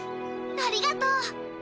ありがとう。